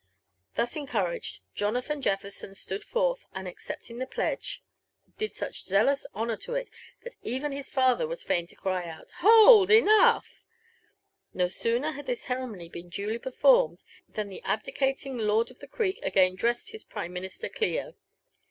Thus encouraged, Jonathan Jefferson stood forth, and acceptipg the pledge, did such zealous honour to it, that even his father was fain to cry oitf, "Holdl enough 1 " No sooner had this ceremony been duly performed, than the abdicating lord of the Creek again addressed his prime minister Clio.